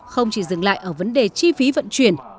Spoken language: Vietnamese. không chỉ dừng lại ở vấn đề chi phí vận chuyển